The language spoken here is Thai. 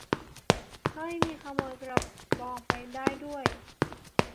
เฮ้ย มีขโมยกระบองไปได้ด้วย !